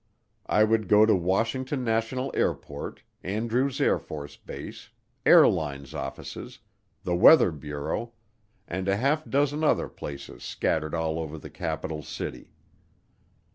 I would go to Washington National Airport, Andrews AFB, airlines offices, the weather bureau, and a half dozen other places scattered all over the capital city.